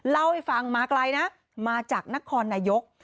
เล่าให้ฟังมาไกลนะมาจากนครนายก